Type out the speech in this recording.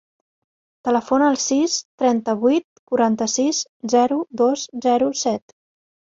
Telefona al sis, trenta-vuit, quaranta-sis, zero, dos, zero, set.